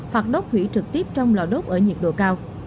hoặc đốt hủy trực tiếp trong lò đốt ở nhiệt độ cao